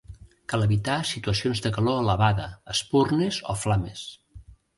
Cal evitar situacions de calor elevada, espurnes o flames.